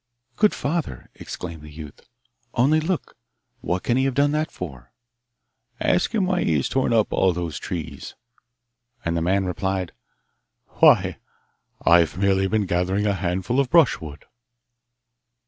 'Good father,' exclaimed the youth, 'only look! What can he have done that for?' 'Ask him why he has torn up all those trees.' And the man replied, 'Why, I've merely been gathering a handful of brushwood.